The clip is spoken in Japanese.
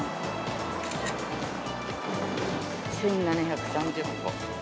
１７３０歩。